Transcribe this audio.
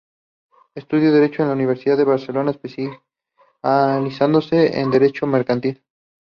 Estudió derecho en la Universidad de Barcelona, especializándose en derecho mercantil.